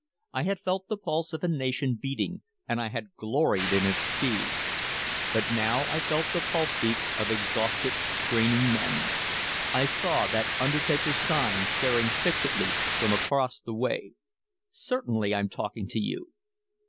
I had felt the pulse of a nation beating and I had gloried in its speed. But now I felt the pulse beats of exhausted straining men, I saw that undertaker's sign staring fixedly from across the way. "Certainly I'm talking to you!"